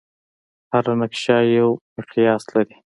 هره نقشه یو مقیاس لري.